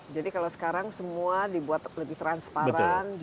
jadi kalau sekarang semua dibuat lebih transparan gd legends